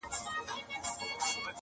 چا دروغ ویل چي دلته بلېدې ډېوې د علم -